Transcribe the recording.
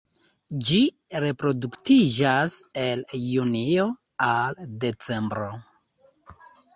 Ĝi reproduktiĝas el junio al decembro.